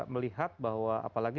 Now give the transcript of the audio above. melihat bahwa apalagi